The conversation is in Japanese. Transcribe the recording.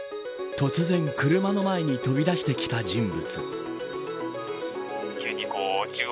突然車の前に飛び出してきた人物。